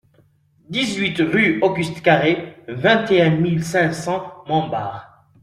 dix-huit rue Auguste Carré, vingt et un mille cinq cents Montbard